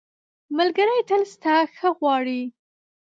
ملګری تل ستا ښه غواړي.